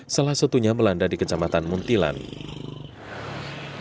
salah satunya melanda di kejamatan muntung